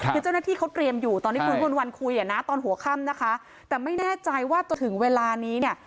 คือเจ้าหน้าที่เขาเตรียมอยู่ตอนที่คุณวิมนต์วันคุยอ่ะนะตอนหัวค่ำนะคะแต่ไม่แน่ใจว่าจนถึงเวลานี้เนี่ย